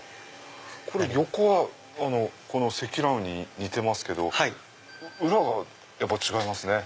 これ横は積乱雲に似てますけど裏がやっぱ違いますね。